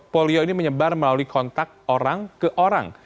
polio ini menyebar melalui kontak orang ke orang